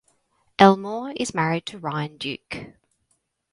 Elmore is married to Ryan Duke.